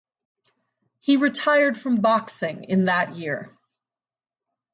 He retired from boxing in that year.